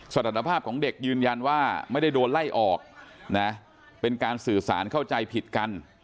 สถานภาพของเด็กยืนยันว่าไม่ได้โดนไล่ออกนะเป็นการสื่อสารเข้าใจผิดกัน